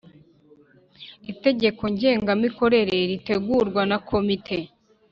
Itegeko ngengamikorere ritegurwa na komite